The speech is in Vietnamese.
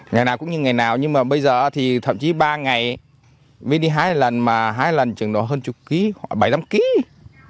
ngày nào cũng như ngày nào nhưng mà bây giờ thì thậm chí ba ngày mới đi hai lần mà hai lần chẳng đủ hơn chục kg khoảng bảy mươi năm kg